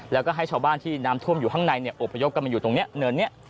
แล้วก็ให้ชาวบ้านที่น้ำท่วมอยู่ข้างในอบพยพกันมาอยู่ตรงนี้เนินนี้